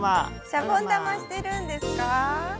シャボン玉してるんですか？